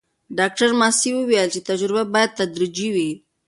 ډاکټره ماسي وویل چې تجربه باید تدریجي وي.